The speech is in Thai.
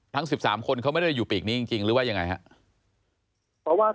ทั้ง๑๓คนเขาไม่ได้อยู่ปีกนี้จริงหรือว่ายังไงครับ